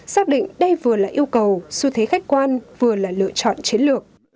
xác định đây vừa là yêu cầu xu thế khách quan vừa là lựa chọn chiến lược